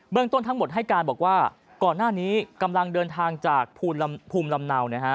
เบื้องต้นทั้งหมดให้การบอกว่าก่อนหน้านี้กำลังเดินทางจากภูมิลำเนา